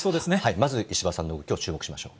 まず石破さんの動きを注目しましょう。